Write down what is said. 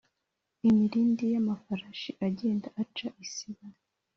imirindi y’amafarashi agenda aca isibo